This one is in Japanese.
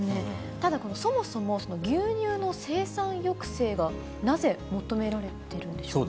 ただ、そもそも牛乳の生産抑制がなぜ求められてるんでしょうか。